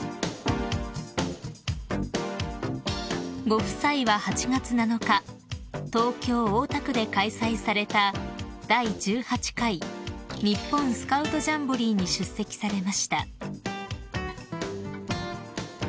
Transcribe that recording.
［ご夫妻は８月７日東京大田区で開催された第１８回日本スカウトジャンボリーに出席されました］